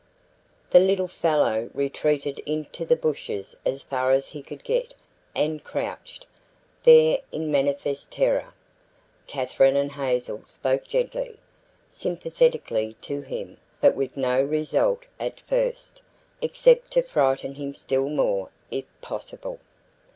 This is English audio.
The little fellow retreated into the bushes as far as he could get and crouched, there in manifest terror. Katherine and Hazel spoke gently, sympathetically to him, but with no result, at first, except to frighten him still more, if possible.